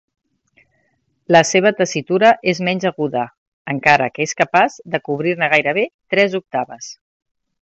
La seva tessitura és menys aguda, encara que és capaç de cobrir-ne gairebé tres octaves.